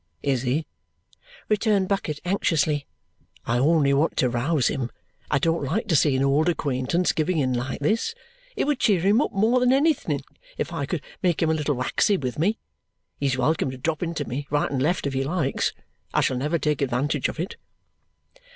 "Is he?" returned Bucket anxiously. "I only want to rouse him. I don't like to see an old acquaintance giving in like this. It would cheer him up more than anything if I could make him a little waxy with me. He's welcome to drop into me, right and left, if he likes. I shall never take advantage of it."